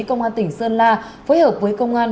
công an tỉnh sơn la phối hợp với công an